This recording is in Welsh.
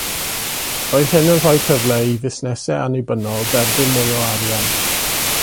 Roedd hyn yn rhoi cyfle i fusnesau annibynnol dderbyn mwy o arian